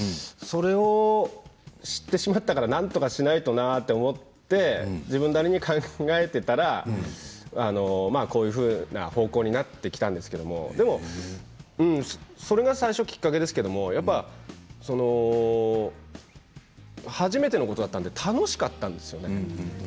それを知ってしまったからなんとかしないとと思って自分なりに考えていったらこういうふうな方向になってきたんですけどそれが最初、きっかけですけど初めてのことだったので楽しかったんですよね。